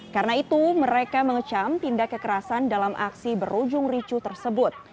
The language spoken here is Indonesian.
karena itu mereka mengecam tindak kekerasan dalam aksi berujung ricu tersebut